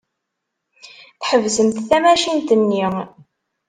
Tḥebsemt tamacint-nni.